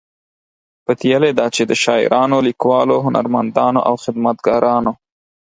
پتیلې ده چې د شاعرانو، لیکوالو، هنرمندانو او خدمتګارانو